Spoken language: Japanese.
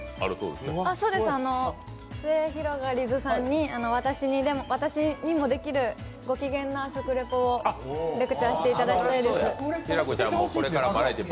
すゑひろがりずさんに私にもできるごきげんな食レポをレクチャーしていただきたいです。